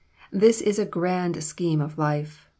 This is a grand scheme of life.